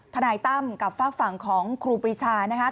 นายตั้มกับฝากฝั่งของครูปรีชานะคะ